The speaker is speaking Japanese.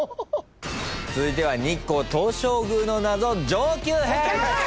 続いては日光東照宮の謎上級編。